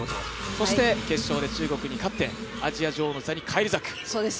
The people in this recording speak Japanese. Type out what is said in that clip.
そして、決勝で中国に勝ってアジア女王の座に返り咲く